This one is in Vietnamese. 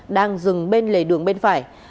đang dừng bên lề đường bên phải